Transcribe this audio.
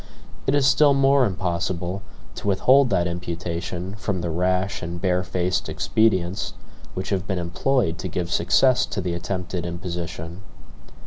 It is still more impossible to withhold that imputation from the rash and barefaced expedients which have been employed to give success to the attempted imposition.